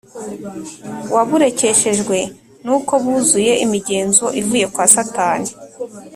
waburekeshejwe n uko buzuye imigenzo ivuye kwa satani